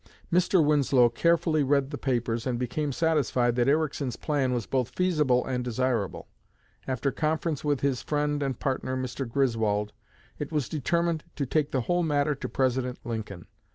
Mr. Winslow carefully read the papers and became satisfied that Ericsson's plan was both feasible and desirable. After conference with his friend and partner, Mr. Griswold, it was determined to take the whole matter to President Lincoln.